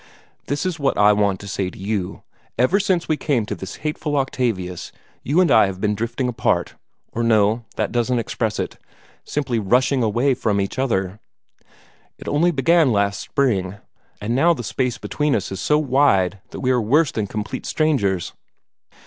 "This is what I want to say to you. Ever since we came to this hateful Octavius, you and I have been drifting apart or no, that doesn't express it simply rushing away from each other. It only began last spring, and now the space between us is so wide that we are worse than complete strangers.